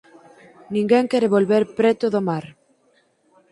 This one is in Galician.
Ninguén quere volver preto do mar.